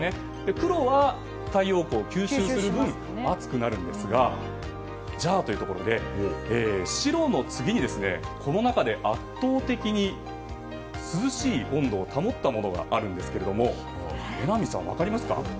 黒は太陽光を吸収するので熱くなるんですがじゃあというところで白の次に、この中で圧倒的に涼しい温度を保ったものがあるんですけれども榎並さん、分かりますか？